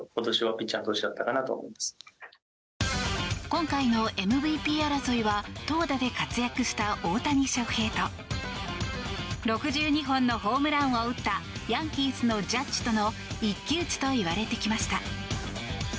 今回のＭＶＰ争いは投打で活躍した大谷翔平と６２本のホームランを打ったヤンキースのジャッジとの一騎打ちといわれてきました。